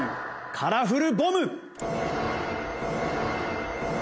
カラフルボム！